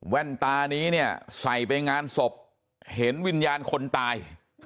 ตานี้เนี่ยใส่ไปงานศพเห็นวิญญาณคนตาย